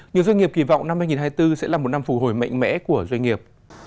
nhiều doanh nghiệp kỳ vọng năm hai nghìn hai mươi bốn sẽ là một năm phù hồi mạnh mẽ của doanh nghiệp